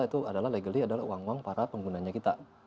itu adalah legally adalah uang uang para penggunanya kita